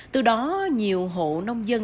từ đó nhiều hộ nông dân